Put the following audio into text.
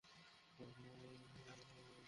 ওর এক্ষুণি সিপিআর দরকার।